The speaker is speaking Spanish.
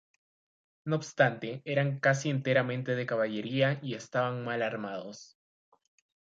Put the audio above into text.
No obstante, eran casi enteramente de caballería y estaban mal armados.